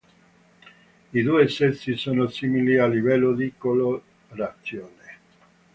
I due sessi sono simili a livello di colorazione.